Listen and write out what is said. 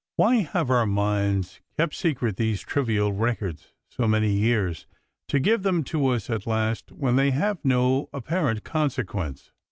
Why have our minds kept secret these trivial records so many years to give them to us at last when 264 A WET DAY 265 they have no apparent consequence